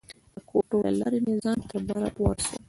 د کوټو له لارې مې ځان تر باره ورساوه.